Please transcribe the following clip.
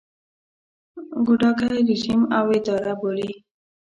ګوډاګی رژیم او اداره بولي.